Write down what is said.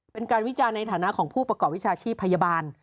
วิจารณ์ในฐานะของผู้ประกอบวิชาชีพพยาบาล